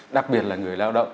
đặc biệt là người lao động